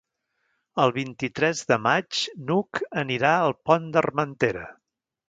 El vint-i-tres de maig n'Hug anirà al Pont d'Armentera.